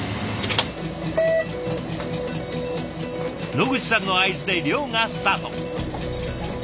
野口さんの合図で漁がスタート。